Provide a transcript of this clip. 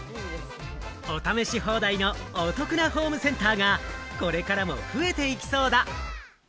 お試し放題のお得なホームセンターがこれからも増えていきそうだ。